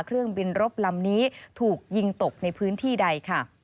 เครื่องบินรบลำนี้ถูกยิงตกในพื้นที่ใดค่ะ